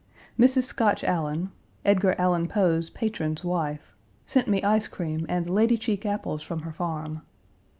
Mrs. Scotch Allan (Edgar Allan Poe's patron's wife) sent me ice cream and lady cheek apples from her farm.